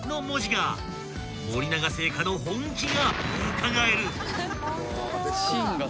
［森永製菓の本気がうかがえる］